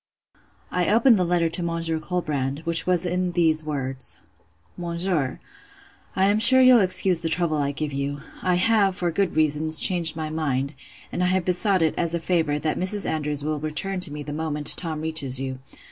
I opened the letter to Monsieur Colbrand; which was in these words:— 'MONSIEUR, 'I am sure you'll excuse the trouble I give you. I have, for good reasons, changed my mind; and I have besought it, as a favour, that Mrs. Andrews will return to me the moment Tom reaches you.